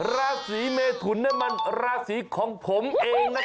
ราศีเมทุนมันราศีของผมเองนะครับ